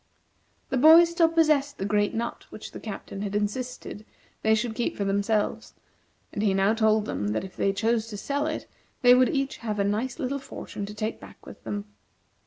The boys still possessed the great nut which the Captain had insisted they should keep for themselves, and he now told them that if they chose to sell it, they would each have a nice little fortune to take back with them.